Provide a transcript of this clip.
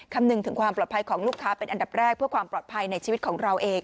คำนึงถึงความปลอดภัยของลูกค้าเป็นอันดับแรกเพื่อความปลอดภัยในชีวิตของเราเอง